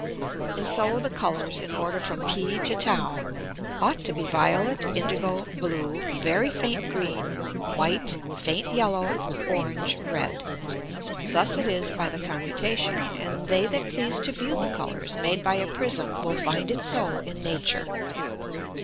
And so the Colours in order from P to [Greek: t] ought to be violet, indigo, blue, very faint green, white, faint yellow, orange, red. Thus it is by the computation: And they that please to view the Colours made by a Prism will find it so in Nature.